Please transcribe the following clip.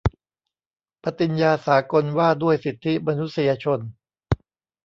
ปฏิญญาสากลว่าด้วยสิทธิมนุษยชน